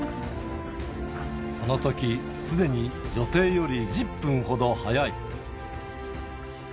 このときすでに予定より１０分ほど速い。